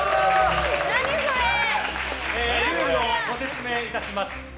ルールをご説明いたします。